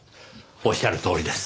おっしゃるとおりです。